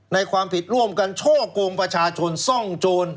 ความผิดร่วมกันช่อกงประชาชนซ่องโจร